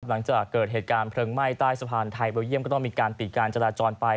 หลังจากเกิดเหตุการณ์เพลิงไหม้ใต้สะพานไทยเบลเยี่ยมก็ต้องมีการปิดการจราจรไป